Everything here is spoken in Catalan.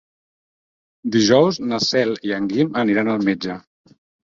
Dijous na Cel i en Guim aniran al metge.